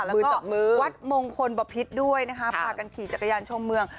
แล้วก็วัดมงคลบพิษด้วยนะคะพากันขี่จักรยานชมเมือง